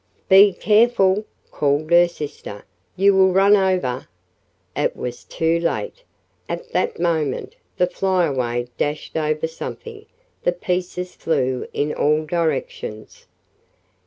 "Be careful!" called her sister. "You will run over " It was too late. At that moment the Flyaway dashed over something the pieces flew in all directions.